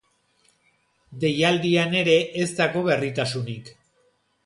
Deialdian ere ez dago berritasunik.